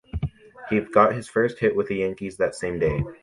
He got his first hit with the Yankees that same day.